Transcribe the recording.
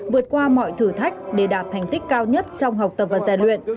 vượt qua mọi thử thách để đạt thành tích cao nhất trong học tập và giàn luyện